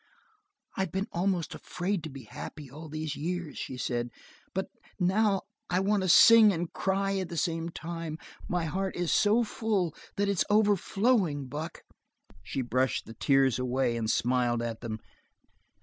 "I've been almost afraid to be happy all these years," she said, "but now I want to sing and cry at the same time. My heart is so full that it's overflowing, Buck." She brushed the tears away and smiled at them.